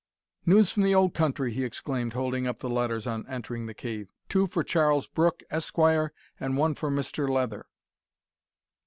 "News from the old country!" he exclaimed, holding up the letters on entering the cave. "Two for Charles Brooke, Esquire, and one for Mister Leather!"